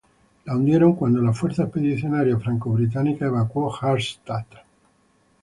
La hundieron cuando la Fuerza Expedicionaria franco-británica evacuó Harstad.